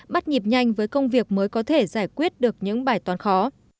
bắt nhịp nhanh với công việc mới có thể giải quyết được những bài toán khó